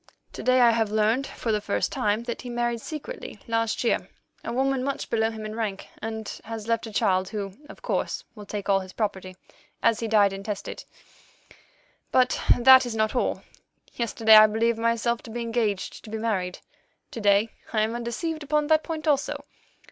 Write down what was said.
To day I have learned for the first time that he married secretly, last year, a woman much below him in rank, and has left a child, who, of course, will take all his property, as he died intestate. But that is not all. Yesterday I believed myself to be engaged to be married; to day I am undeceived upon that point also.